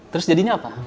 terus jadinya apa